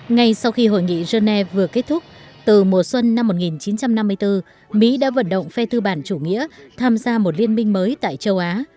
ngay sau khi hội nghị genève vừa kết thúc từ mùa xuân năm một nghìn chín trăm năm mươi bốn mỹ đã vận động phe thư bản chủ nghĩa tham gia một liên minh mới tại châu á